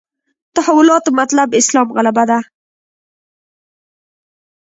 تحولاتو مطلب اسلام غلبه ده.